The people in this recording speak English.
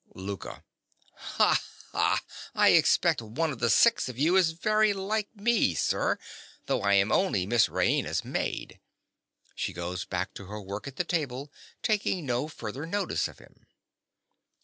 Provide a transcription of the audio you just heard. LOUKA. Ha! ha! I expect one of the six of you is very like me, sir, though I am only Miss Raina's maid. (_She goes back to her work at the table, taking no further notice of him.